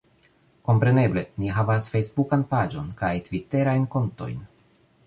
Kompreneble, ni havas fejsbukan paĝon, kaj tviterajn kontojn